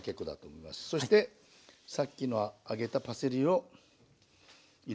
そしてさっきの揚げたパセリを彩りよくね。